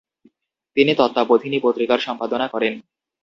তিনি তত্ত্ববোধিনী পত্রিকার সম্পাদনা করেন।